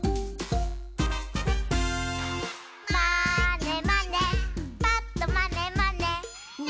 「まーねまねぱっとまねまね」